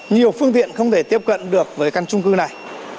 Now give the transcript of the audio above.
nhiều phương tiện không thể tiếp cận được với căn trung cư này